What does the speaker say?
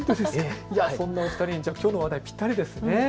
そんなお二人にきょうの話題、ぴったりですね。